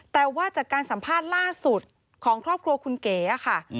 แต่ว่าจากการสัมภาษณ์ล่าสุดของครอบครัวคุณเก๋ค่ะ